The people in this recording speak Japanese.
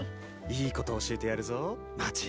いいことを教えてやるぞマーチ。